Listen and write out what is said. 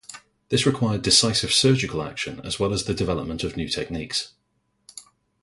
This required decisive surgical action as well as the development of new techniques.